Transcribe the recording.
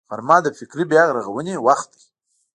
غرمه د فکري بیا رغونې وخت دی